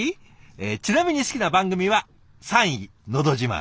えちなみに好きな番組は３位「のど自慢」